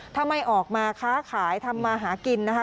ถ้าไม่ออกมาค้าขายทำมาหากินนะคะ